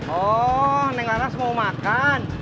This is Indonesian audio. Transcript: oh neng laras mau makan